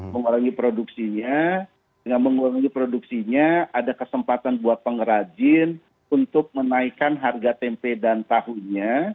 mengurangi produksinya dengan mengurangi produksinya ada kesempatan buat pengrajin untuk menaikkan harga tempe dan tahunya